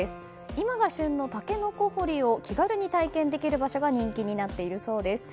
今が旬のタケノコ掘りを気軽に体験できる場所が人気になっているそうです。